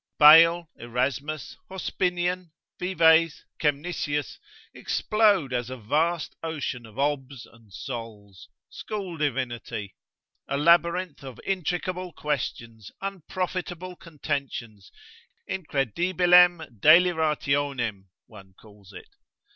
Bale, Erasmus, Hospinian, Vives, Kemnisius, explode as a vast ocean of obs and sols, school divinity. A labyrinth of intricable questions, unprofitable contentions, incredibilem delirationem, one calls it.